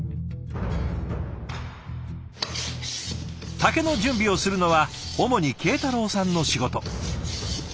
竹の準備をするのは主に慶太郎さんの仕事。